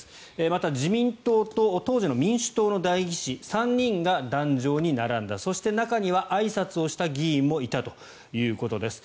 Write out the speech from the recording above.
また、自民党と当時の民主党の代議士３人が壇上に並んだそして、中にはあいさつをした議員もいたということです。